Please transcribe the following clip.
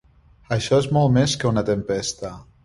Això és molt més que una tempesta.